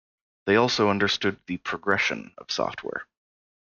They also understood the "progression" of software.